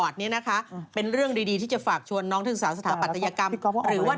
เกาหลีตุลาฟุจิกาธันวา